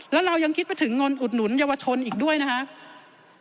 แล้วเรายังคิดไปถึงเงินอุดหนุนเยาวชนอีกด้วยนะครับ